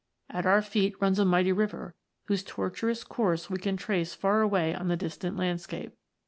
At our feet runs a mighty river, whose tortuous course we can trace far away on the distant land scape.